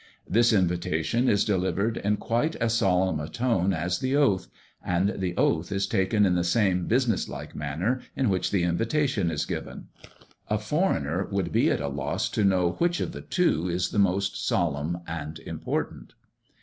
This invitation is delivered in quite as solemn a tone as the oath, and the oath is taken in the same business like manner in which the invitation is given. A foreigner would be at a loss to know which of the two is the most solemn and important.